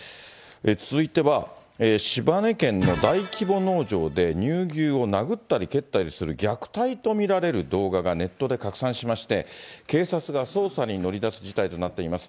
続いては、島根県の大規模農場で乳牛を殴ったり蹴ったりする虐待と見られる動画がネットで拡散しまして、警察が捜査に乗りだす事態となっています。